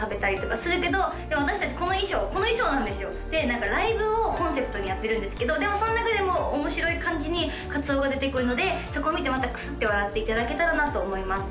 何かライブをコンセプトにやってるんですけどでもその中でも面白い感じに鰹が出てくるのでそこ見てまたクスッて笑っていただけたらなと思います